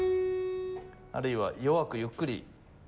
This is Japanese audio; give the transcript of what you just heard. あるいは弱くゆっくり。